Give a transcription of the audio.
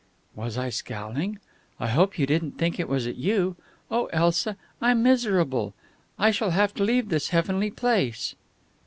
"Was I scowling? I hope you didn't think it was at you. Oh, Elsa, I'm miserable! I shall have to leave this heavenly place."